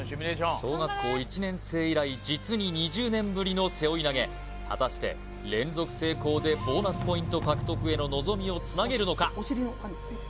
小学校１年生以来実に２０年ぶりの背負い投げ果たして連続成功でボーナスポイント獲得への望みをつなげるのか？